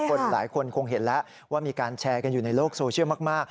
หลายคนคงเห็นแล้วว่ามีการแชร์กันอยู่ในโลกโซเชียลมาก